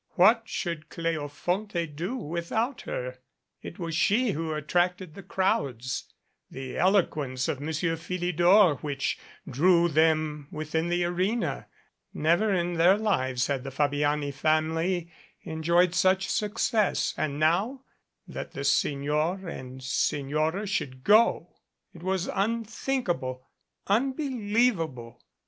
What should Cleofonte do without her? It was she who attracted the crowds the eloquence of Monsieur Philidor which drew them within the arena. Never in their lives had the Fabiani family enjoyed such success. And now that the Signor and Signora should go! It was unthinkable unbelievable!